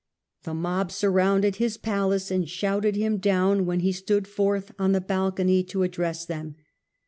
The mob surrounded his palace, and shouted him down when he stood forth on the balcony to address them.